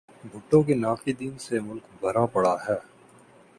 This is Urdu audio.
بھٹو کے ناقدین سے ملک بھرا پڑا ہے۔